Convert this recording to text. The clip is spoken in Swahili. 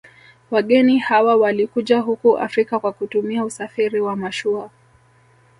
Wageni hawa walikuja huku Afrika kwa kutumia usafiri wa mashua